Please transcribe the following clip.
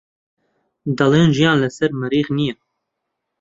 دەڵێن ژیان لەسەر مەریخ نییە.